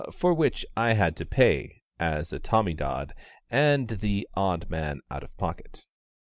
for which I had to pay, as a Tommy Dod, and the odd man out of pocket.